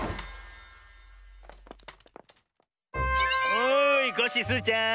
おいコッシースイちゃん